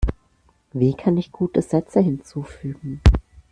Wie kann ich gute Sätze hinzufügen?